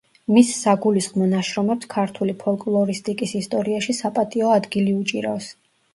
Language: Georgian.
მის საგულისხმო ნაშრომებს ქართული ფოლკლორისტიკის ისტორიაში საპატიო ადგილი უჭირავს.